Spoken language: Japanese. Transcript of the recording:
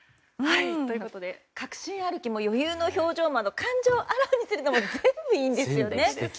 確信歩きも余裕の表情など感情をあらわにするのも全部いいですよね。